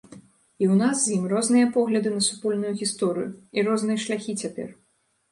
І ў нас з ім розныя погляды на супольную гісторыю і розныя шляхі цяпер.